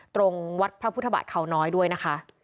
ตรงวัดพระพุทธบาทเขาน้อยด้วยนะคะ